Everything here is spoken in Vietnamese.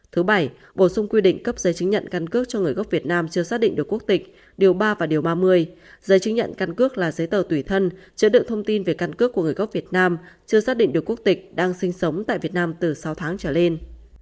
thứ bảy bổ sung quy định cấp giấy chứng nhận căn cước cho người gốc việt nam chưa xác định được quốc tịch điều ba và điều ba mươi giấy chứng nhận căn cước là giấy tờ tùy thân chứa đựng thông tin về căn cước của người gốc việt nam chưa xác định được quốc tịch đang sinh sống tại việt nam từ sáu tháng trở lên